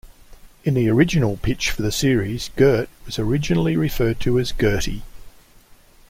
In the original pitch for the series, Gert was originally referred to as Gertie.